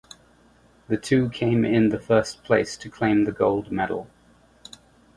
The two came in the first place to claim the gold medal.